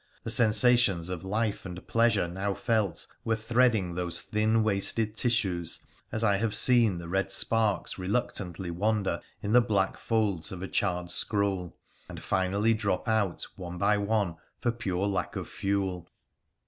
— the sen sations of life and pleasure now felt were threading those thin fllRA THE FHCEMCIAN 109 wasted tissues, as I have seen the red spaiks reluctantly ■wander in the black folds of a charred scroll, and finally drop out one by one for pure lack of fuel.